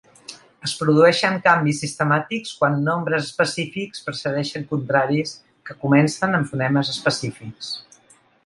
Es produeixen canvis sistemàtics quan nombres específics precedeixen contraris que comencen amb fonemes específics.